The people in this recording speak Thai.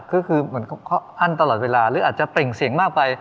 คือเหมือนเขาอั้นตลอดเวลาหรืออาจจะเปล่งเสียงมากไป